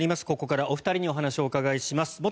ここからお二人にお話をお伺いします。